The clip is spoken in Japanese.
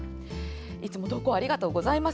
いつも投稿ありがとうございます。